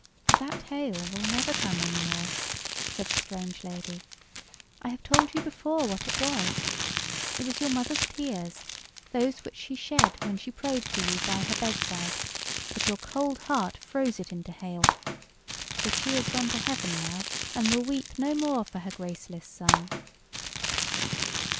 "That hail will never come any more," said the strange lady. "I have told you before what it was. It was your mother's tears, those which she shed when she prayed for you by her bedside; but your cold heart froze it into hail. But she is gone to heaven now, and will weep no more for her graceless son."